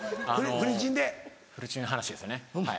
フルチンの話ですよねはい。